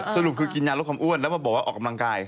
สรุปคือกินยาลดความอ้วนแล้วมาบอกว่าออกกำลังกาย